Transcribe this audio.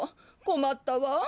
こまったわ。